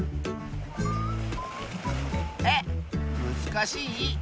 えっむずかしい？